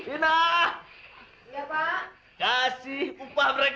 enak kasih upah mereka